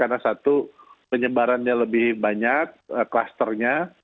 karena satu penyebarannya lebih banyak klasternya